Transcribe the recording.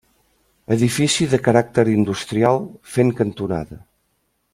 Edifici de caràcter industrial, fent cantonada.